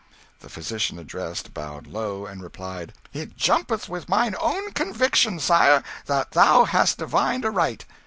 The physician addressed bowed low, and replied "It jumpeth with my own conviction, sire, that thou hast divined aright."